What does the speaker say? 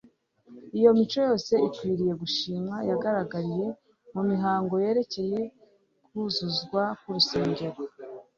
iyo mico yose ikwiriye gushimwa yagaragariye mu mihango yerekeye kuzuzwa k'urusengero